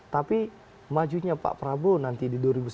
tapi majunya pak prabowo nanti di dua ribu sembilan belas